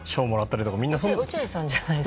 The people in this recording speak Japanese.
それ落合さんじゃないですか？